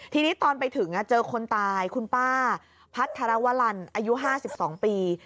ทีนี้ตอนไปถึงเจอคนตายคุณป้าพัทรวรรณอายุ๕๒ปี